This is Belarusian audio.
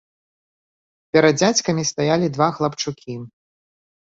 Перад дзядзькамі стаялі два хлапчукі.